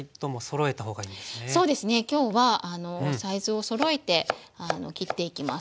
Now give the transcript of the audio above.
そうですね今日はサイズをそろえて切っていきます